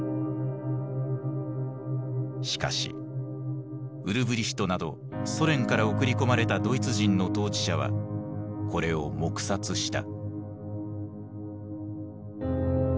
しかしウルブリヒトなどソ連から送り込まれたドイツ人の統治者はこれを黙殺した。